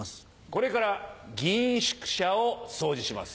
これから議員宿舎を掃除します。